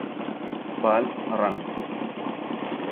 Bull Run